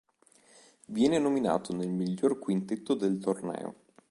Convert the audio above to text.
Viene nominato nel miglior quintetto del torneo.